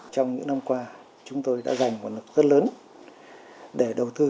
trong những năm qua chúng tôi đã dành nguồn lực rất lớn để đầu tư